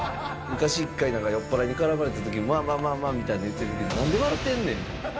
昔一回、なんか酔っ払いに絡まれたときに、まあまあまあみたいなの言ってるときに、なんで笑ってんねん。